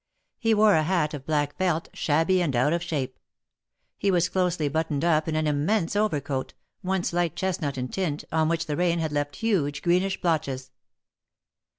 He wore a hat of black felt, shabby and out of shape. He was closely buttoned up in an immense overcoat, once light chestnut in tint, on which the rain had left huge greenish blotches.